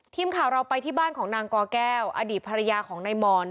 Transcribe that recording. ทีมข่าวเราไปที่บ้านของนางกอแก้วอดีตภรรยาของนายมอน